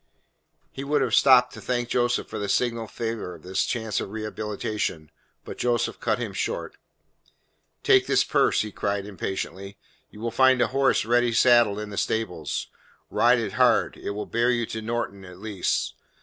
He would have stopped to thank Joseph for the signal favour of this chance of rehabilitation, but Joseph cut him short. "Take this purse," he cried impatiently. "You will find a horse ready saddled in the stables. Ride it hard. It will bear you to Norton at least.